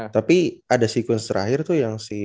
tapi ada sekuens terakhir tuh yang si